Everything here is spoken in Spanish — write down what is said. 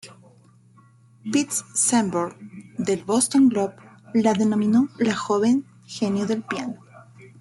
Pitts Sanborn, del Boston Globe la denominó "la joven genio del piano".